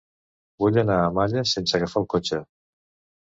Vull anar a Malla sense agafar el cotxe.